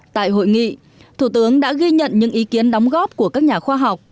tại hội nghị thủ tướng đã ghi nhận những ý kiến đóng góp của các nhà khoa học